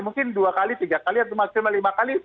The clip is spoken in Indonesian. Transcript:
mungkin dua kali tiga kali atau maksimal lima kali